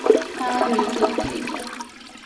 她有一个弟弟。